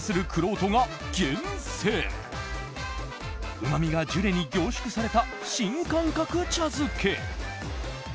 うまみがジュレに凝縮された新感覚茶漬け。